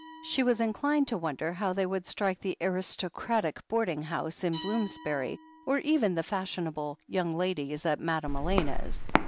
She was inclined to wonder how they would strike the aristocratic boarding house in Bloomsbury, or even the fashionable "young ladies" at Madame Elena's.